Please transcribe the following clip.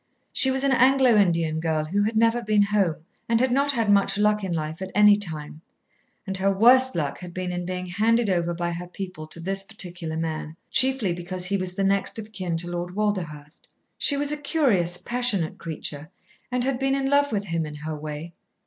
She was an Anglo Indian girl who had never been home, and had not had much luck in life at any time, and her worst luck had been in being handed over by her people to this particular man, chiefly because he was the next of kin to Lord Walderhurst. She was a curious, passionate creature, and had been in love with him in her way.